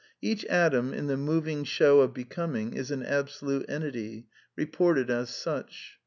Each atom in the moving show of Becoming, is an absolute entity, re ported as such.